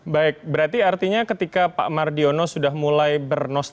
baik berarti artinya ketika pak mardiono sudah mulai mencari penyelidikan yang baik